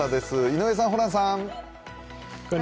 井上さん、ホランさん。